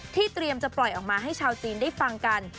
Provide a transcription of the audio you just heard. เตรียมจะปล่อยออกมาให้ชาวจีนได้ฟังกัน